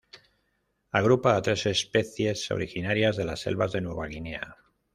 Agrupa a tres especies originarias de las selvas de Nueva Guinea.